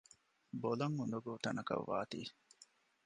ބޮލަށް އުދަގޫ ތަނަކަށް ވާތީ